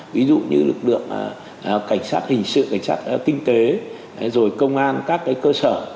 ví dụ như lực lượng cảnh sát hình sự cảnh sát kinh tế rồi công an các cơ sở